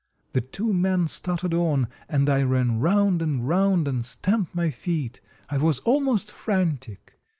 The two men started on, and I ran round and round and stamped my feet. I was almost frantic.